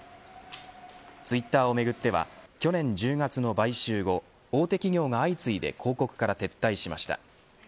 ツイッターをめぐっては去年１０月の買収後大手企業が相次いで広告から撤退しました。